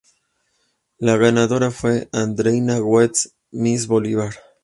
La ganadora fue Andreína Goetz, Miss Bolívar.